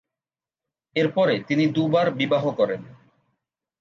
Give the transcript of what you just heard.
এর পরে তিনি দু'বার বিবাহ করেন।